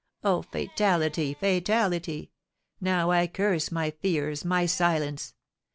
"Oh, fatality fatality! Now I curse my fears, my silence.